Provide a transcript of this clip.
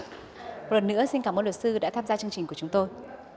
một lần nữa xin cảm ơn luật sư đã tham gia chương trình của chúng tôi